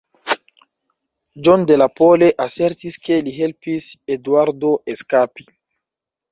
John de la Pole asertis ke li helpis Eduardo eskapi.